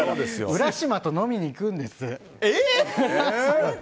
ウラシマと飲みに行くんです。